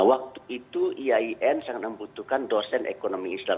waktu itu iain sangat membutuhkan dosen ekonomi islam